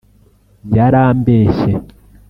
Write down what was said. Yarambeshye